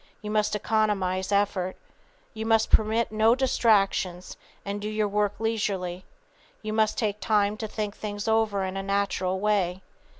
You must economize effort. You must permit no distractions and do your work leisurely. You must take time to think things over in a natural way.